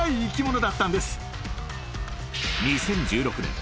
２０１６年